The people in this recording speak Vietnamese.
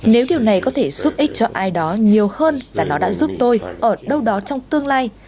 nếu điều này có thể giúp ích cho ai đó nhiều hơn là nó đã giúp tôi ở đâu đó trong tương lai